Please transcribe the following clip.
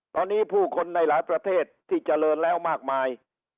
ตอนนี้ผู้คนในหลายประเทศที่เจริญแล้วมากมาย